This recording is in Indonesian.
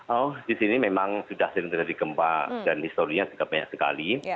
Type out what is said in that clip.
oh di sini memang sudah sering terjadi gempa dan historinya juga banyak sekali